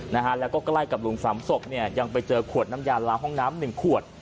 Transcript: นะฮะแล้วก็ใกล้กับลุงสามศพเนี่ยยังไปเจอขวดน้ำยาล้างห้องน้ำหนึ่งขวด